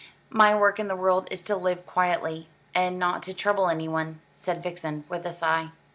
"My work in the world is to live quietly, and not to trouble anyone," said Vixen, with a sigh.